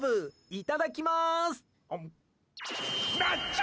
いただきます！